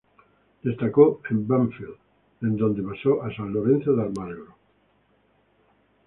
Destacó en Banfield de donde pasó a San Lorenzo de Almagro.